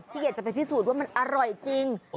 ที่อยากพิสูจน์ว่ามันอร่อยจริง